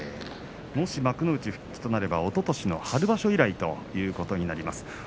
もし、幕内復帰となればおととしの春場所以来ということになります。